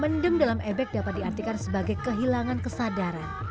mendem dalam ebek dapat diartikan sebagai kehilangan kesadaran